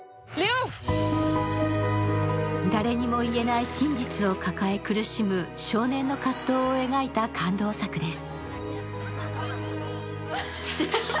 誰にも言えない真実を抱え苦しむ少年の葛藤を描いた感動作です。